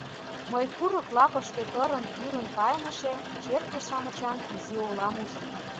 Мый курык лапыште тырын-тӱрын тайныше черке-шамычан изи олам ужым.